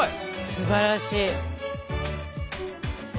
すばらしい！